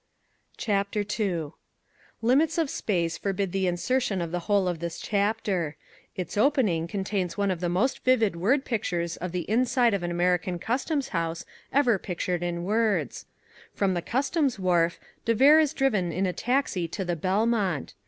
CHAPTER II Limits of space forbid the insertion of the whole of this chapter. Its opening contains one of the most vivid word pictures of the inside of an American customs house ever pictured in words. From the customs wharf de Vere is driven in a taxi to the Belmont.